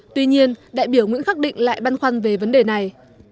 tuy nhiên đại biểu nguyễn khắc định lại băn khoăn về vấn đề này